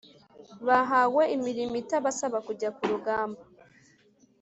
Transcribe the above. Bahawe imirimo itabasaba kujya ku rugamba